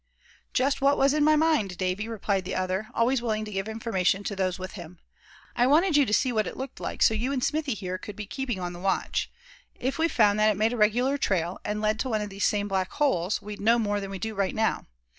"Just what was in my mind, Davy," replied the other, always willing to give information to those with him. "I wanted you to see what it looked like, so you and Smithy here could be keeping on the watch. If we found that it made a regular trail, and led to one of these same black holes, we'd know more than we do right now.